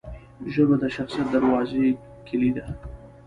ژبه د شخصیت دروازې کلۍ ده